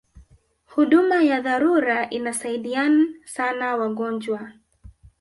huduma ya dharura inasaidian sana wagonjwa